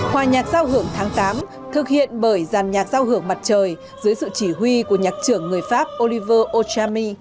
hòa nhạc giao hưởng tháng tám thực hiện bởi giàn nhạc giao hưởng mặt trời dưới sự chỉ huy của nhạc trưởng người pháp oliver ochami